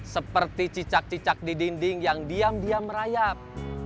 seperti cicak cicak di dinding yang diam diam merayap